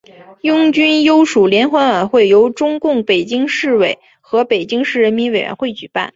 拥军优属联欢晚会由中共北京市委和北京市人民委员会举办。